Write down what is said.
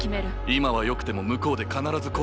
今はよくても向こうで必ず後悔する。